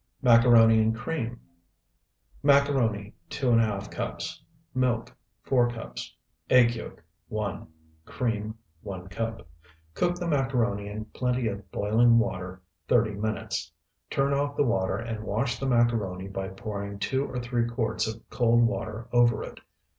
MACARONI IN CREAM Macaroni, 2½ cups. Milk, 4 cups. Egg yolk, 1. Cream, 1 cup. Cook the macaroni in plenty of boiling water thirty minutes. Turn off the water and wash the macaroni by pouring two or three quarts of cold water over it.